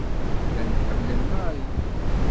Llan ḥemmlen Mary.